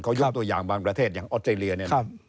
เขายุ่งตัวอย่างบางประเทศอย่างออสเตรเลียเนี่ย